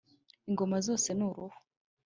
Ingoma zose ni uruhu